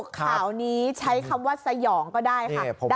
ข่าวนี้ใช้คำว่าสยองก็ได้ค่ะ